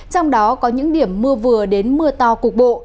trong đó có những điểm mưa vừa đến mưa to cục bộ